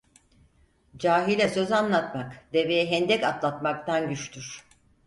Cahile söz anlatmak, deveye hendek atlatmaktan güçtür.